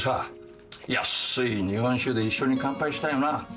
安い日本酒で一緒に乾杯したよな。